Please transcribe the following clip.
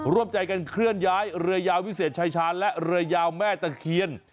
ร่วมใจกันเคลื่อนย้ายเรือยาววิเศษชายชาญและเรือยาวแม่ตะเคียน